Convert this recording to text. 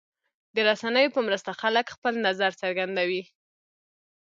د رسنیو په مرسته خلک خپل نظر څرګندوي.